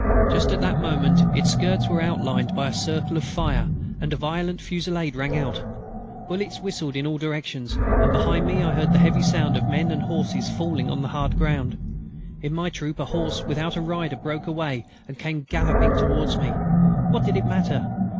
Just at that moment its skirts were outlined by a circle of fire, and a violent fusillade rang out. Bullets whistled in all directions, and behind me I heard the heavy sound of men and horses falling on the hard ground. In my troop a horse without a rider broke away and came galloping towards me. What did it matter?